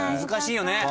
難しいよね。